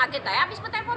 akhirnya habis peteleponan